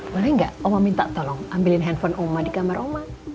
boleh nggak oma minta tolong ambilin handphone oma di kamar oma